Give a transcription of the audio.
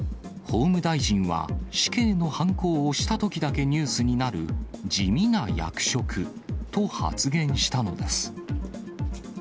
法務大臣は、死刑のはんこを押したときだけニュースになる地味な役職と発言したのです。